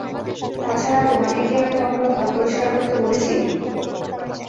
তাছাড়া, তোমাকে কী আমি কখনো ঘর পরিষ্কার করতে বলেছি?